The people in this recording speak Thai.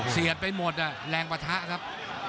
เสียดไปหมดแรงปะทะครับ